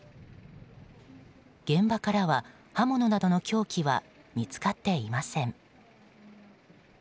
現場からは刃物などの凶器は見つかっていません。